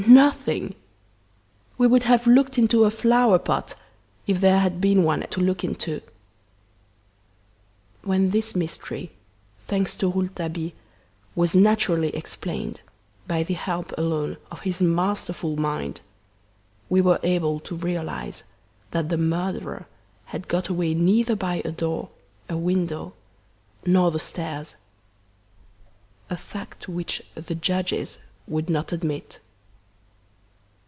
nothing! We would have looked into a flower pot, if there had been one to look into!" When this mystery, thanks to Rouletabille, was naturally explained, by the help alone of his masterful mind, we were able to realise that the murderer had got away neither by a door, a window, nor the stairs a fact which the judges would not admit.